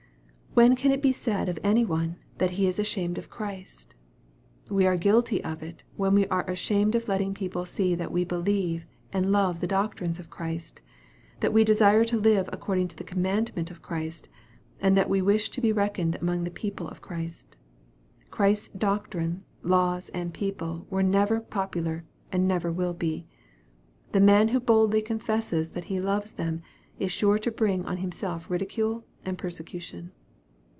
When can it be said of any one, that he is ashamed of Christ ? We are guilty of it, when we are ashamed of letting people see that we believe and love the doctrines of Christ, that we desire to live according to the com mandment of Christ, and that we wish to be reckoned among the people of Christ. Christ's doctrine, laws, and people were never popular, and never will be. The man who boldly confesses that he loves them, is sure to bring on himself ridicule and persecution.